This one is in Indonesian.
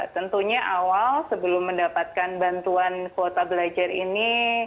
tentunya awal sebelum mendapatkan bantuan kuota belajar ini